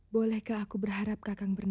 bolehkah aku berharap kakak bernama